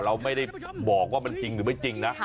เราไม่ได้บอกว่ามันจริงหรือไม่จริงนะ